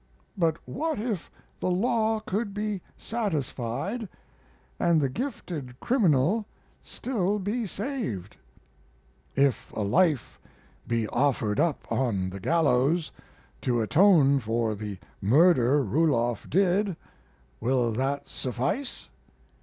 But what if the law could be satisfied, and the gifted criminal still be saved. If a life be offered up on the gallows to atone for the murder Ruloff did, will that suffice?